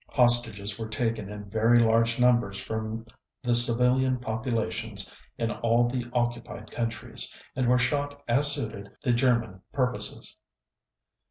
Hostages were taken in very large numbers from the civilian populations in all the occupied countries, and were shot as suited the German purposes.